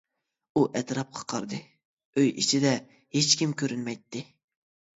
ئۇ ئەتراپقا قارىدى، ئۆي ئىچىدە ھېچكىم كۆرۈنمەيتتى.